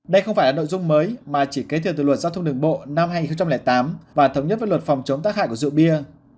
đây không phải là nội dung mới mà chỉ kế thừa từ luật giao thông đường bộ năm hai nghìn tám và thống nhất với luật phòng chống tác hại của rượu bia